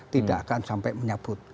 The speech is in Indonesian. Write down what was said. tidak akan sampai menyebut